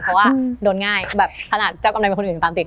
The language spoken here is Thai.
เพราะว่าโดนง่ายแบบขนาดเจ้ากำไรเป็นคนอื่นตามติด